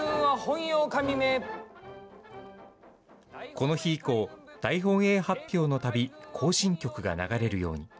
この日以降、大本営発表のたび、行進曲が流れるように。